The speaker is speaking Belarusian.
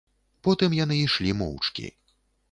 Потым яны ішлі моўчкі.